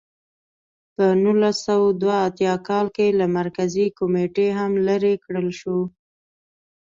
په نولس سوه دوه اتیا کال کې له مرکزي کمېټې هم لرې کړل شو.